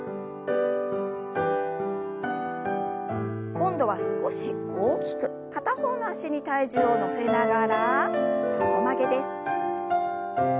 今度は少し大きく片方の脚に体重を乗せながら横曲げです。